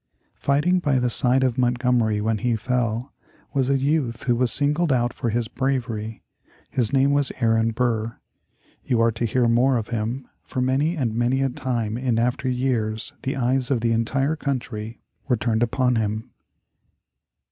Fighting by the side of Montgomery when he fell was a youth who was singled out for his bravery. His name was Aaron Burr. You are to hear more of him, for many and many a time in after years the eyes of the entire country were turned upon him.